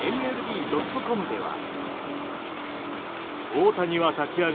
ＭＬＢ．ｃｏｍでは。